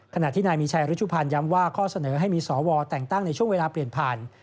ขณะที่นายมีชัยรุชุพันธ์ย้ำว่าข้อเสนอให้มีสวแต่งตั้งในช่วงเวลาเปลี่ยนผ่าน